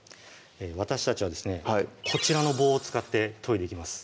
私たちはですねこちらの棒を使って研いでいきます